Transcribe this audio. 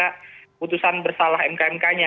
kutusan bersalah mkmk nya